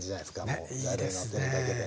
もうざるにのってるだけで。